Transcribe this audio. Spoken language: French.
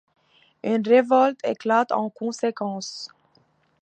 Une révolte éclate en conséquence.